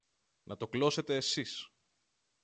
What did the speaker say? Να το κλώσετε σεις!